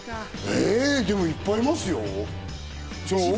え、でもいっぱいいますよ。